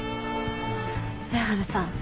上原さん